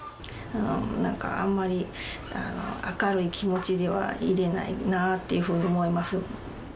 なんかあんまり明るい気持ちではいれないなぁっていうふうに思います。